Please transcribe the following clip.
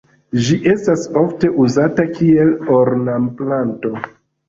Ĝi estas ofte uzata kiel ornamplanto.